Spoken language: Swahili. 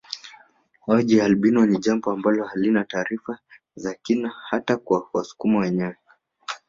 Mauji ya albino ni jambo ambalo halina taarifa za kina hata kwa wasukuma wenyewe